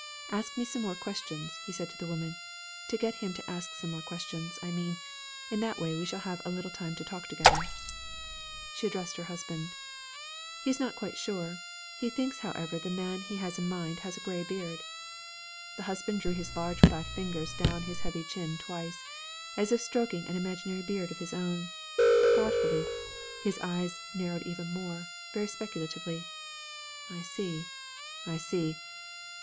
'Ask me some more questions,' he said to the woman; 'get him to ask some more questions, I mean. In that way we shall have a little time to talk together.' She addressed her husband. 'He is not quite sure. He thinks, however, the man he has in mind has a gray beard.' Her husband drew his large flat fingers down his heavy chin twice, as if stroking an imaginary beard of his own, thoughtfully; his eyes narrowed even more, very speculatively. 'I see, I see!